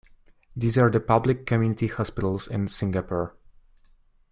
These are the public community hospitals in Singapore.